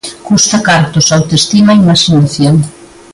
Custa cartos, autoestima e imaxinación.